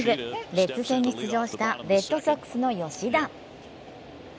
レッズ戦に出場したレッドソックスの吉田。